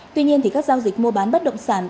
tuy nhiên các giao dịch mua bán bất động sản